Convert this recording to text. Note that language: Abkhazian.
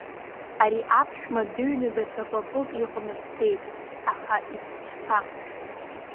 Ари аԥшәма дыҩын даҽа папык иҟны дцеит, аха ишԥа!